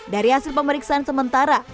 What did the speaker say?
dari hasil pemeriksaan sementara